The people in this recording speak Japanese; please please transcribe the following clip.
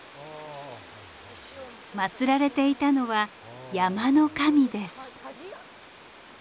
まつられていたのは山の神です。